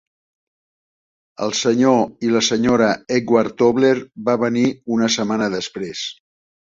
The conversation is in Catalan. El Sr. i la Sra. Edward Tobler va venir una setmana després.